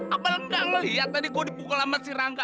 apalagi gak lo lihat tadi gue dipukul sama si rangka